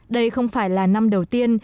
đây không phải là năm đầu tiên